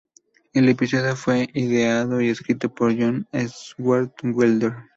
El episodio fue ideado y escrito por John Swartzwelder.